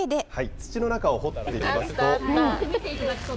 土の中を掘ってみますと。